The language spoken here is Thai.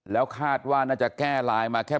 แล้วคาดว่าน่าจะแก้ลายมานะครับ